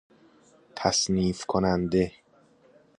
تصنیف کننده